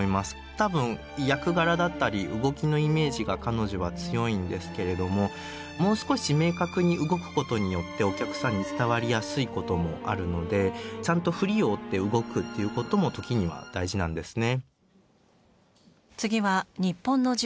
多分役柄だったり動きのイメージが彼女は強いんですけれどももう少し明確に動くことによってお客さんに伝わりやすいこともあるのでちゃんと振りを追って動くということも時には大事なんですね。